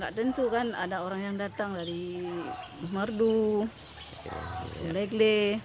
gak tentu kan ada orang yang datang dari bukhmerdu lekle